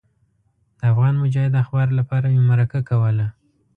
د افغان مجاهد اخبار لپاره مې مرکه کوله.